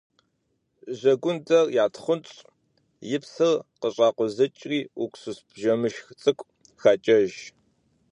Жэгундэр ятхъунщӏ, и псыр къыщӏакъузыкӏри, уксус бжэмышх цӏыкӏу хакӏэж.